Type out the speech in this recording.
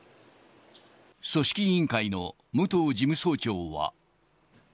組織委員会の武藤事務総長は。